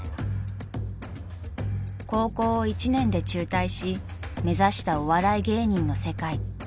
［高校を１年で中退し目指したお笑い芸人の世界］